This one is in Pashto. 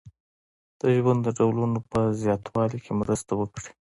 د ژوند د ډولونو په زیاتوالي کې مرسته وکړي.